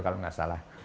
kalau nggak salah